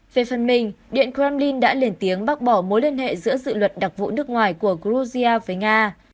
về phần mình điện kremlin đã lên tiếng bác bỏ mối liên hệ giữa dự luật đặc vụ nước ngoài của georgia với nga